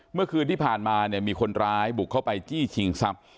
เมื่อคืนที่ผ่านมาเนี่ยมีคนร้ายบุกเข้าไปจี้ชิงทรัพย์